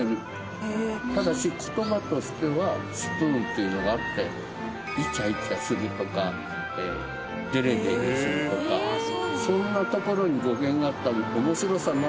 ただし言葉としてはスプーンというのがあってイチャイチャするとかデレデレするとかそんなところに語源があった面白さもあって作りました。